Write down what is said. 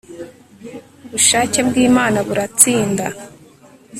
ubushake bw'imana buratsinda